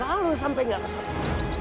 kamu sampai nggak ketemu